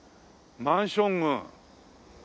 マンション群。